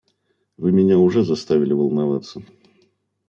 Вы меня уже заставили волноваться.